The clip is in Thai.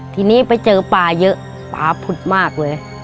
ทีนี้ไปเจอปลาเยอะปลาผุดมากเลย